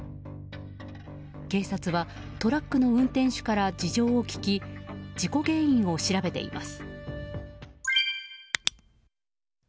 警察はトラックの運転手から事情を聴き事故原因を調べています。